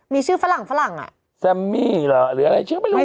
เมื่อก่อนก็มี